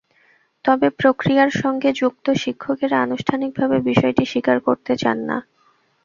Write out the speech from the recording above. তবে প্রক্রিয়ার সঙ্গে যুক্ত শিক্ষকেরা আনুষ্ঠানিকভাবে বিষয়টি স্বীকার করতে চান না।